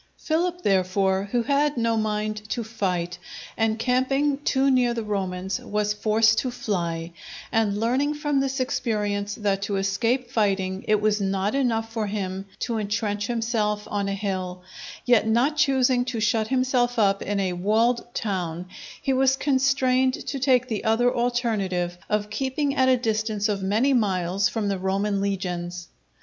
Philip, therefore, who had no mind to fight, encamping too near the Romans, was forced to fly; and learning from this experience that to escape fighting it was not enough for him to intrench himself on a hill, yet not choosing to shut himself up in a walled town, he was constrained to take the other alternative of keeping at a distance of many miles from the Roman legions.